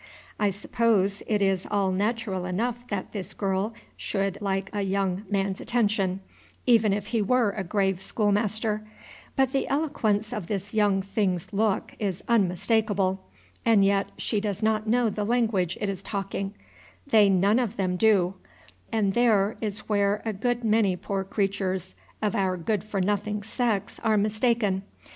I suppose it is all natural enough that this girl should like a young man's attention, even if he were a grave schoolmaster; but the eloquence of this young thing's look is unmistakable, and yet she does not know the language it is talking, they none of them do; and there is where a good many poor creatures of our good for nothing sex are mistaken.